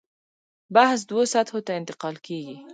بحث دوو سطحو ته انتقال کېږي.